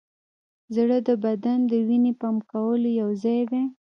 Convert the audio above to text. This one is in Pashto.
زړه د بدن د وینې پمپ کولو یوځای دی.